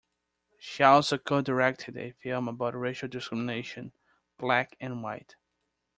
She also co-directed a film about racial discrimination, "Black and White".